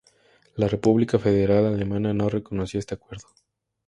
La República Federal Alemana no reconoció este acuerdo.